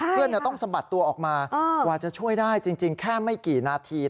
เพื่อนต้องสะบัดตัวออกมากว่าจะช่วยได้จริงแค่ไม่กี่นาที